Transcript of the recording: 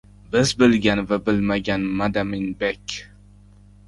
Biz bilgan va bilmagan Madaminbek